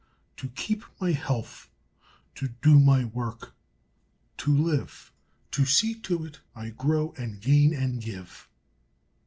To keep my health! To do my work! To live! To see to it I grow and gain and give!